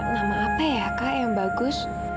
nama apa ya kak yang bagus